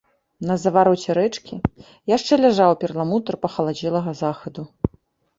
На завароце рэчкі яшчэ ляжаў перламутр пахаладзелага захаду.